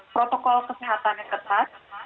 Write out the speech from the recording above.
protokol kesehatan yang ketat